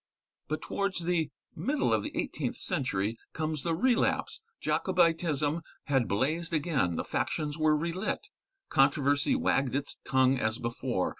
But towards the middle of the eighteenth century comes the relapse. Jacobitism had blazed again. The factions were relit. Controversy wagged its tongue as before.